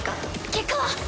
結果は⁉